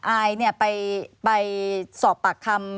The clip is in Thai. อายไปสอบปากคำ